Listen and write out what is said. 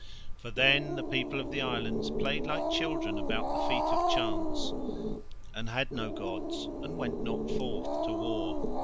For then the people of the Islands played like children about the feet of Chance and had no gods and went not forth to war.